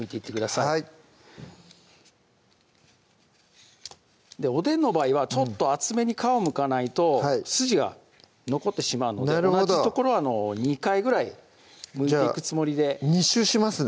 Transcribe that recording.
はいおでんの場合はちょっと厚めに皮をむかないと筋が残ってしまうので同じ所２回ぐらいむいていくつもりで２周しますね